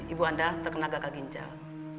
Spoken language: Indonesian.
ibu anda terkena gagal ginjal